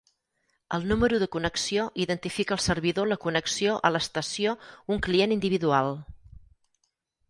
El número de connexió identifica al servidor la connexió a l'estació un client individual.